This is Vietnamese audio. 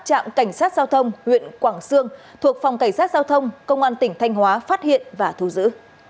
trạm cảnh sát giao thông huyện quảng sương thuộc phòng cảnh sát giao thông công an tỉnh thanh hóa phát hiện và thu giữ